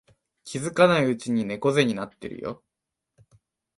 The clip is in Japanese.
気づかないうちに猫背になってるよ